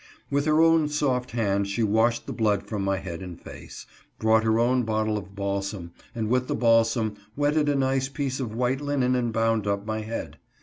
With her own soft hand she washed the blood from my head and face, brought her own bottle of balsam, and with the balsam wetted a nice piece of white linen and bound up my head.